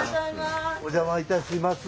お邪魔いたします。